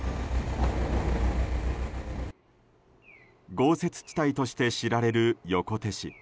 豪雪地帯として知られる横手市。